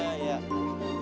ya terima kasih tante